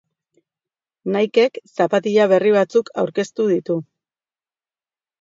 Nikek zapatila berri batzuk aurkeztu ditu.